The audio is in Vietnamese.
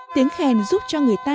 tiếng khèn giúp cho người ta